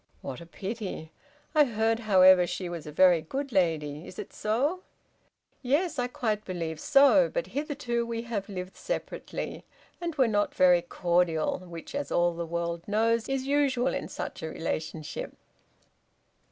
"What a pity! I heard, however, she was a very good lady. Is it so?" "Yes, I quite believe so; but hitherto we have lived separately, and were not very cordial, which, as all the world knows, is usual in such relationship."